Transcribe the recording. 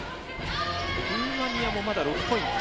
ルーマニアもまだ６ポイント。